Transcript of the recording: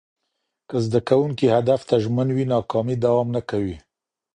که زده کوونکي هدف ته ژمن وي، ناکامي دوام نه کوي.